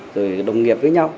rồi đồng nghiệp với nhau